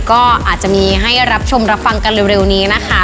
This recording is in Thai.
ก็อาจจะมีให้รับชมรับฟังกันเร็วนี้นะคะ